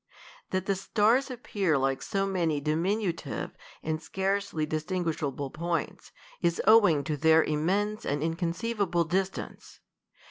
That the stars appear like so many diminutive, and scarcely distinguishable points, is owing to their im mense 46 THE COLUMBIAN ORATOR. mense and inconceivable distance.